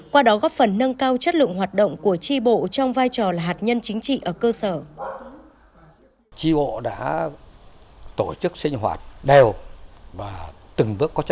qua đó góp phần nâng cao chất lượng hoạt động của tri bộ trong vai trò là hạt nhân chính trị ở cơ sở